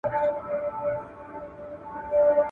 له لیري ولاتونو دي پانوس ته یم راغلی ,